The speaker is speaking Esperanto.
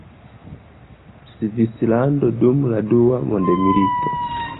Svislando dum la dua mondmilito.